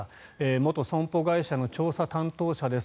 元損保会社の調査担当者です。